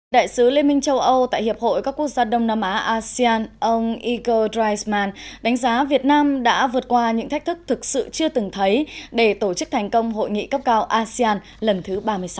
đại sứ liên minh châu âu tại hiệp hội các quốc gia đông nam á asean ông igor dreisman đánh giá việt nam đã vượt qua những thách thức thực sự chưa từng thấy để tổ chức thành công hội nghị cấp cao asean lần thứ ba mươi sáu